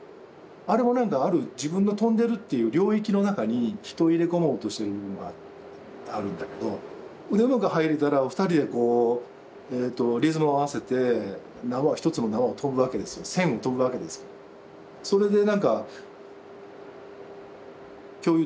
あれもなんかある自分の跳んでるっていう領域の中に人を入れ込もうとしてる部分があるんだけどでうまく入れたら２人でこうリズムを合わせて１つの縄を跳ぶわけですけど線を跳ぶわけですけどそれでなんか共有できるもんで楽しむというんですかね。